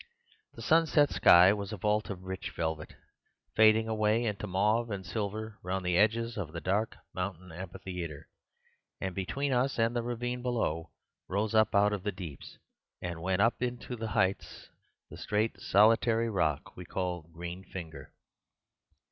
The sunset sky was a vault of rich velvet, fading away into mauve and silver round the edges of the dark mountain amphitheatre; and between us and the ravine below rose up out of the deeps and went up into the heights the straight solitary rock we call Green Finger.